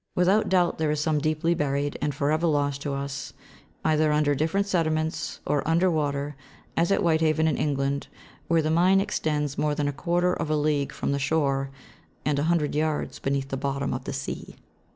Without doubt, there is some deeply buried, and for ever lost to us, either under different sediments, or under water, as at Whitehaven, in England, where the mine extends more than a quarter of a league from the shore, and a hundred yards beneath the bottom of the sea.